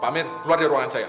pak amir keluar dari ruangan saya